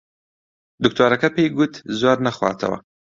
دکتۆرەکە پێی گوت زۆر نەخواتەوە.